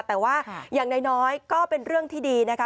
แต่ว่าอย่างน้อยก็เป็นเรื่องที่ดีนะคะ